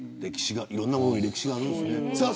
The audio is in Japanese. いろんなものに歴史があるんですね。